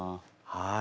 はい！